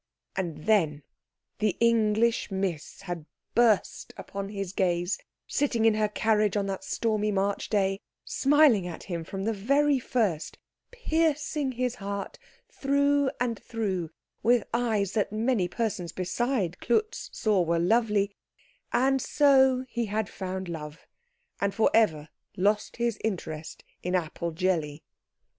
And then the English Miss had burst upon his gaze, sitting in her carriage on that stormy March day, smiling at him from the very first, piercing his heart through and through with eyes that many persons besides Klutz saw were lovely, and so had he found Love, and for ever lost his interest in apple jelly.